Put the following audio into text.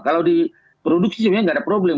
kalau di produksi sebenarnya nggak ada problem